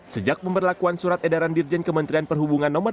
sejak pemberlakuan surat edaran dirjen kementerian perhubungan nomor satu